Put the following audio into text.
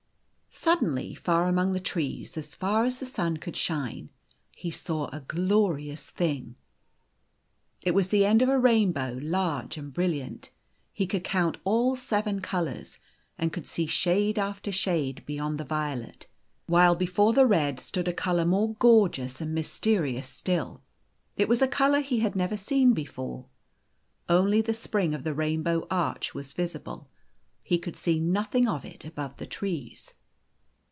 O Suddenly, far among the trees, as far as the sun could shine, he saw a glorious thing. It was the end of a rainbow 7 , large and brilliant. He could count all the seven colours, and could see shade after shade be yond the violet ; while before the red stood a colour more gorgeous and mysterious still. It was a colour he had never seen before. Only the spring of the rain bow arch was visible. He could see nothing of it above the trees.